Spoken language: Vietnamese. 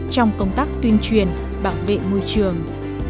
trong công tác tuyên truyền bảo vệ môi trường